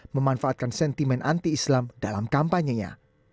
memanfaatkan sentimen anti islam dalam kampanyenya